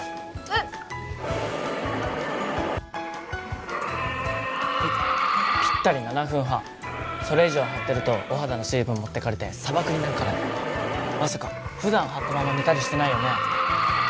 えっはいぴったり７分半それ以上貼ってるとお肌の水分持ってかれて砂漠になるからねまさか普段貼ったまま寝たりしてないよね？